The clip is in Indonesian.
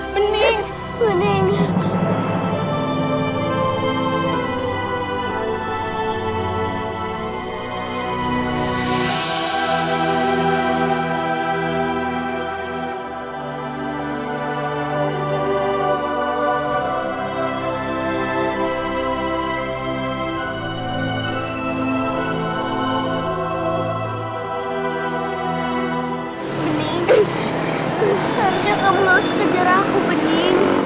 bening harga kamu gak usah kejar aku bening